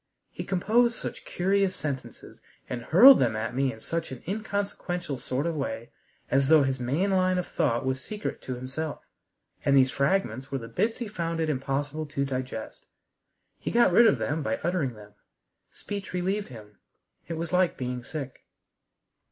He composed such curious sentences, and hurled them at me in such an inconsequential sort of way, as though his main line of thought was secret to himself, and these fragments were the bits he found it impossible to digest. He got rid of them by uttering them. Speech relieved him. It was like being sick.